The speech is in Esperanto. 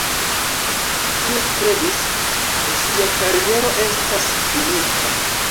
Ĉiu kredis, ke ŝia kariero estas finita.